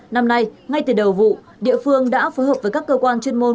năm nay ngay từ đầu vụ địa phương đã phối hợp với các cơ quan chuyên môn